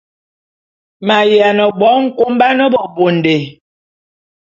Ma’yiane bo nkoban bebondé.